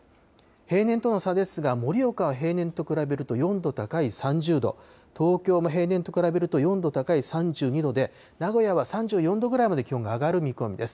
平年との差ですが、盛岡は平年と比べると４度高い３０度、東京も平年と比べると４度高い３２度で、名古屋は３４度ぐらいまで気温が上がる見込みです。